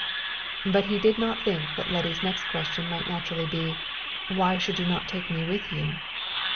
But he did think that Letty's next question might naturally be, "Why do you not take me with you?"